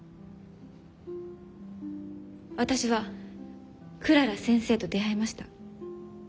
私はクララ先生と出会いました。